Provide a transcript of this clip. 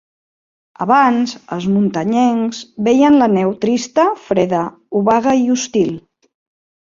Abans, els muntanyencs veien la neu trista, freda, obaga i hostil.